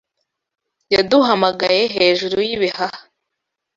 Yaduhamagaye hejuru yibihaha.